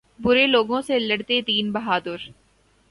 برے لوگوں سے لڑتے تین بہادر